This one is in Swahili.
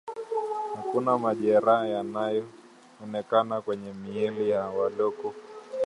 Hakuna majeraha yaliyoonekana kwenye miili ya waliokufa